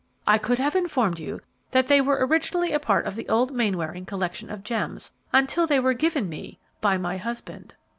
I could have informed you that they were originally a part of the old Mainwaring collection of gems, until they were given me by my husband."